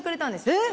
えっ！